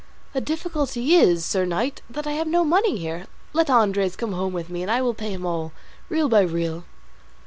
"The difficulty is, Sir Knight, that I have no money here; let Andres come home with me, and I will pay him all, real by real."